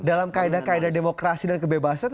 dalam kaedah kaedah demokrasi dan kebebasan